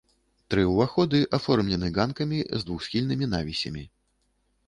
Тры ўваходы аформлены ганкамі з двухсхільнымі навісямі.